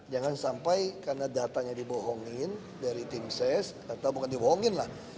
jangan sampai karena datanya dibohongin dari tim ses atau bukan dibohongin lah